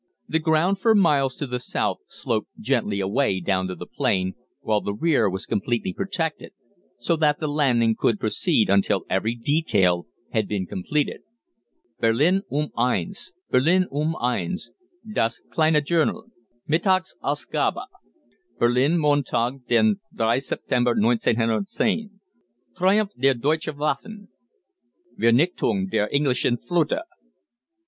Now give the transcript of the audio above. The ground for miles to the south sloped gently away down to the plain, while the rear was completely protected, so that the landing could proceed until every detail had been completed. Berlin um Eins! Berlin um Eins! Das Kleine Journal Mittags Ausgabe. Berlin, Montag, den 3 September 1910 Triumph der Deutschen Waffen. Vernichtung der Englischen Flotte.